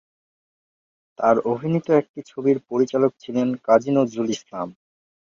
তার অভিনীত একটি ছবির পরিচালক ছিলেন কাজী নজরুল ইসলাম।